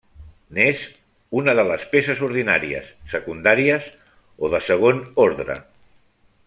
N'és una de les peces ordinàries, secundàries o de segon ordre.